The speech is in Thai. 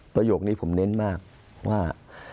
ประโยคนี้ผมเน้นมากว่า